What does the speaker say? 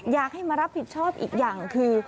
อยากให้มารับผิดชอบอีกอย่างคือ